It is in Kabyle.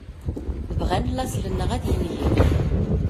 Bɣan laṣel-nneɣ ad yenger.